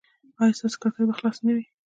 ایا ستاسو کړکۍ به خلاصه نه وي؟